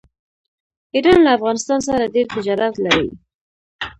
ایران له افغانستان سره ډیر تجارت لري.